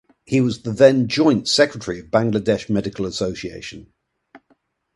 He was the then Joint secretary of Bangladesh Medical Association.